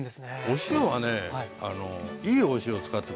お塩はねいいお塩を使って下さい。